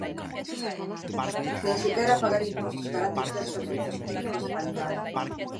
Nin sequera pagar impostos garante ter servizos públicos de calidade.